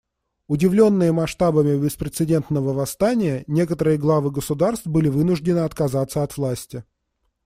Удивленные масштабами беспрецедентного восстания, некоторые главы государств были вынуждены отказаться от власти.